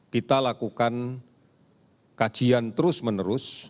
kita lakukan kajian terus menerus